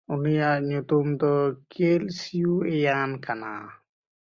ᱩᱱᱤᱭᱟᱜ ᱧᱩᱛᱩᱢ ᱫᱚ ᱠᱮᱞᱥᱤᱣᱮᱭᱟᱱ ᱠᱟᱱᱟ᱾